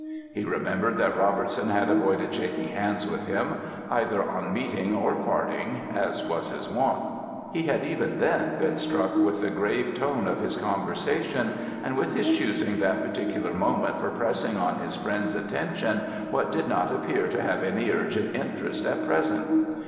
He remembered that Robertson had avoided shaking hands with him, either on meeting or parting, as was his wont; he had even then been struck with the grave tone of his conversation, and with his choosing that particular moment for pressing on his friend's attention what did not appear to have any urgent interest at present.